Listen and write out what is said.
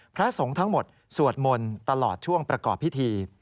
พระสงฆ์ทั้งหมดสวดมนต์ตลอดช่วงประกอบพิธี